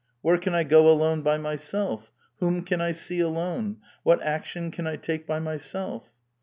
Where can I go alone by myself? Whom can I see alone? What action can I take by myself?"